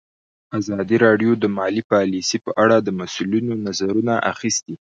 ازادي راډیو د مالي پالیسي په اړه د مسؤلینو نظرونه اخیستي.